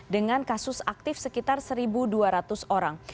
dengan kasus aktif sekitar satu dua ratus orang